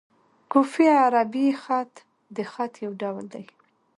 کوفي عربي خط؛ د خط یو ډول دﺉ.